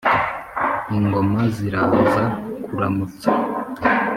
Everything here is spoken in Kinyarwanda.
ingoma ziraza kuramutsa.